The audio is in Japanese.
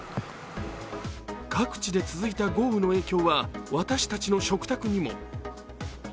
各地で続いた豪雨の影響は私たちの食卓にも。